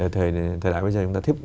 thời đại bây giờ chúng ta